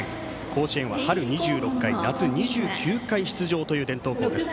甲子園は春２６回夏２９回出場という伝統校です。